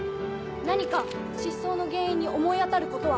何か失踪の原因に思い当たることは？